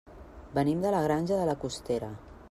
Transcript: Venim de la Granja de la Costera.